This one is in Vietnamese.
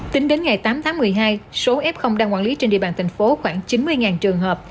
tính đến ngày tám tháng một mươi hai số f đang quản lý trên địa bàn thành phố khoảng chín mươi trường hợp